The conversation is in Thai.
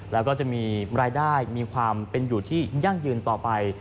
แล้วก็จะมีรายได้มีความเป็นอยู่ที่ยั่งยืนต่อไป